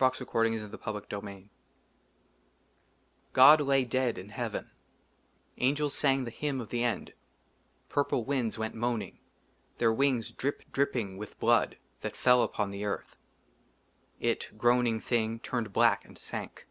» 73 r J •«•• J LXVII GOD LAY DEAD IN HEAVEN ; ANGELS SANG THE HYMN OF THE END; PURPLE WINDS WENT MOANING, THEIR WINGS DRIP DRIPPING WITH BLOOD THAT FELL UPON THE EARTH. IT, GROANING THING, TURNED BLACK AND SANK.